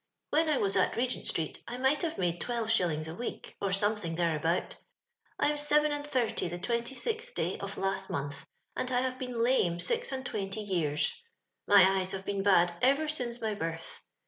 *' When I was at Regent street I might have made twelve shillings a week, or something thereabout. " I am seven and thirty the 20th day of last month, and I have been lame six and twenty j ears. My eyes have been bad ever since my birth.